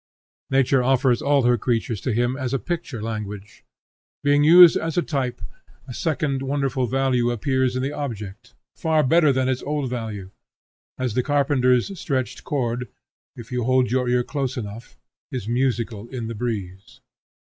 Nature offers all her creatures to him as a picture language. Being used as a type, a second wonderful value appears in the object, far better than its old value; as the carpenter's stretched cord, if you hold your ear close enough, is musical in the breeze.